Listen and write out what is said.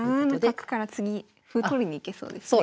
７七角から次歩取りに行けそうですね。